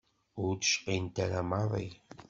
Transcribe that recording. Ur d-cqint ara maḍi.